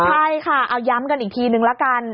ใช่ค่ะเอาย้ำกันอีกทีนึงละกัน